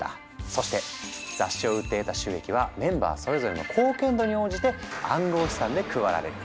そして雑誌を売って得た収益はメンバーそれぞれの貢献度に応じて暗号資産で配られる。